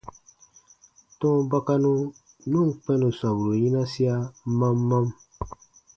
Tɔ̃ɔ bakanu nu ǹ kpɛ̃ nù sɔmburu yinasia mam mam.